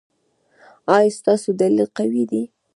ایا ستاسو دلیل قوي دی؟